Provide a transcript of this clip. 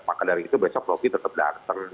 maka dari itu besok logi tetap daksan